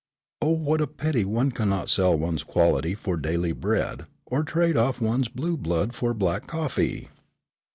"Oh what a pity one cannot sell one's quality for daily bread, or trade off one's blue blood for black coffee."